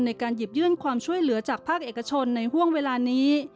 ในการหยิบยื่นความช่วยเหลือจากภาคเอกชนในห่วงเวลานี้